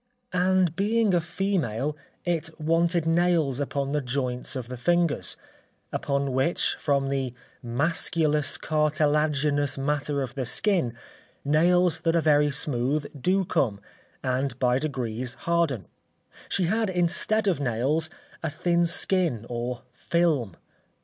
And being a female, it wanted nails upon the joints of the fingers; upon which, from the masculous cartilaginous matter of the skin, nails that are very smooth do come, and by degrees harden; she had, instead of nails, a thin skin or film.